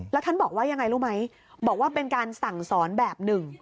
แล้วท่านบอกว่ายังไงรู้ไหมบอกว่าเป็นการสั่งสอนแบบหนึ่ง